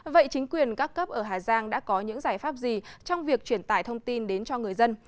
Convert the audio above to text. vậy chính quyền các cấp ở hà giang đã có những giải pháp gì trong việc truyền tải thông tin đến cho người dân